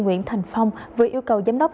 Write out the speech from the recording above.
nguyễn thành phong vừa yêu cầu giám đốc